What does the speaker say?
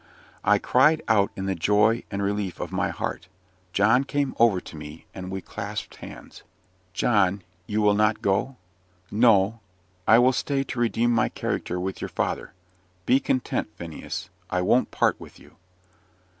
I cried out in the joy and relief of my heart. John came over to me, and we clasped hands. "John, you will not go?" "No, I will stay to redeem my character with your father. Be content, Phineas I won't part with you."